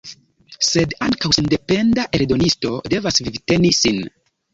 Sed ankaŭ sendependa eldonisto devas vivteni sin.